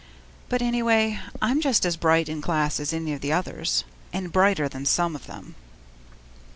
But anyway, I'm just as bright in class as any of the others and brighter than some of them!